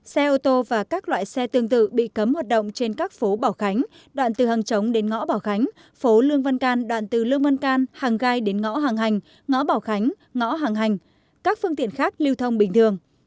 xe ô tô và các loại xe tương tự bị cấm hoạt động trên các phố bảo khánh đoạn từ hàng chống đến ngõ bảo khánh phố lương văn can đoạn từ lương văn can hàng gai đến ngõ hàng hành ngõ bảo khánh ngõ hàng hành các phương tiện khác lưu thông bình thường